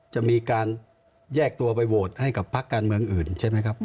จะมีการแยกตัวไปโหวตให้กับพักการเมืองอื่นใช่ไหมครับ